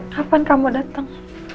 kapan kamu datang